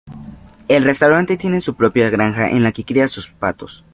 El restaurante tiene su propia granja en la que cría sus patos.